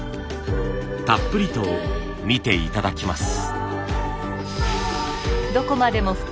たっぷりと見て頂きます。